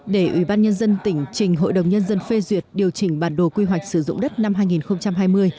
để ủy ban nhân dân tỉnh trình hội đồng nhân dân phê duyệt điều chỉnh bản đồ quy hoạch sử dụng đất năm hai nghìn hai mươi